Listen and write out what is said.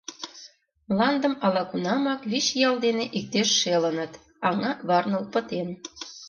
Мландым ала-кунамак вич ял дене иктеш шелыныт, аҥа варныл пытен.